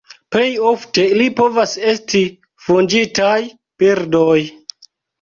Plej ofte ili povas esti fuĝintaj birdoj.